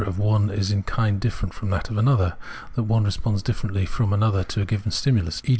of one is in kind different from that of another, that one responds differently from another to a given stimulus, e.